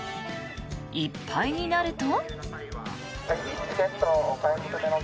いっぱいになると。